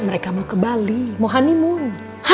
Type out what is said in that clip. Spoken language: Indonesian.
mereka mau ke bali mau honeymoon